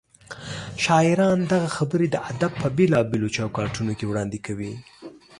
شاعران دغه خبرې د ادب په بېلابېلو چوکاټونو کې وړاندې کوي.